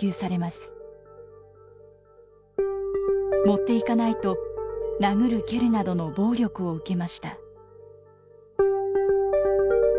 持っていかないと殴る蹴るなどの暴力を受けました。